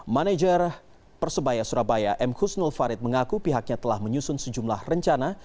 manager persebaya surabaya m husnul farid mengaku pihaknya telah menyusun sejumlah rencana